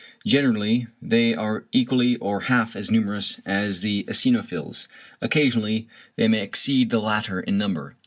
Generally they are equally or half as numerous as the eosinophils, occasionally they may exceed the latter in number.